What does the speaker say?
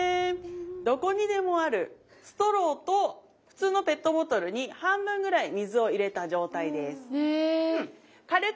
どこにでもあるストローと普通のペットボトルに半分ぐらい水を入れた状態です。